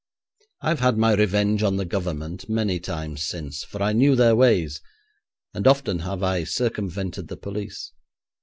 I've had my revenge on the Government many times since, for I knew their ways, and often have I circumvented the police.